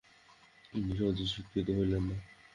তিনি সহজে স্বীকৃত হইলেন না।